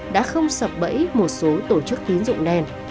đã không sập bẫy một số tổ chức tín dụng đen